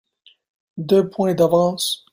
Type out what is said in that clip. Deux points d’avance.